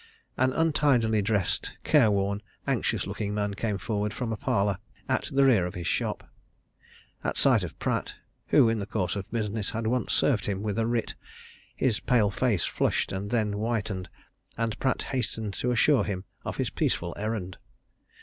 An untidily dressed, careworn, anxious looking man came forward from a parlour at the rear of his shop. At sight of Pratt who in the course of business had once served him with a writ his pale face flushed, and then whitened, and Pratt hastened to assure him of his peaceful errand.